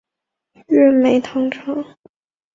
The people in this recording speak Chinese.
月眉糖厂铁道简介